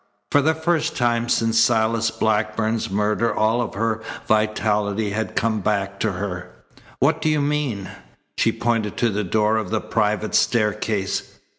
For the first time since Silas Blackburn's murder all of her vitality had come back to her. "What do you mean?" She pointed to the door of the private staircase.